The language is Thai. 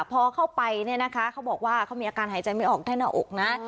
พอเข้าไปเนี่ยนะคะเขาบอกว่าเขามีอาการหายใจไม่ออกได้หน้าอกนะ